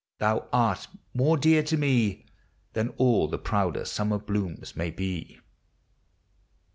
— thou art more dear to me Than all the prouder summer blooms may be.